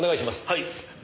はい。